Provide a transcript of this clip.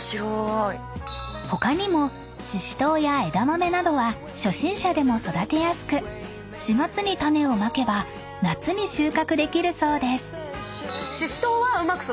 ［他にもししとうや枝豆などは初心者でも育てやすく４月に種をまけば夏に収穫できるそうです］